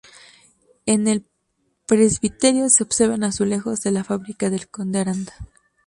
En el presbiterio se observan azulejos de la Fábrica del Conde Aranda.